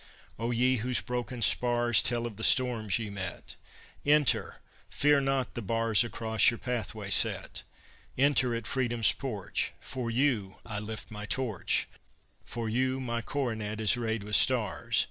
"O ye, whose broken spars Tell of the storms ye met, Enter! fear not the bars Across your pathway set; Enter at Freedom's porch, For you I lift my torch, For you my coronet Is rayed with stars.